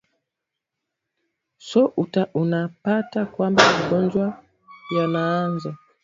so unapata kwamba magonjwa yanaanza